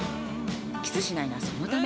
キスしないのはそのため。